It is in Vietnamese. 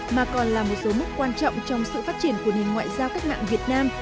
mà còn là một số mốc quan trọng trong sự phát triển của nền ngoại giao cách mạng việt nam